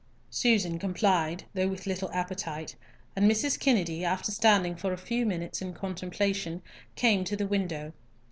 Susan complied, though with little appetite, and Mrs. Kennedy, after standing for a few minutes in contemplation, came to the window.